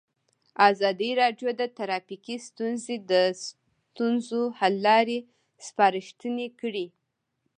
ازادي راډیو د ټرافیکي ستونزې د ستونزو حل لارې سپارښتنې کړي.